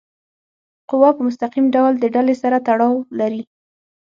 قوه په مستقیم ډول د ډلي سره تړاو لري.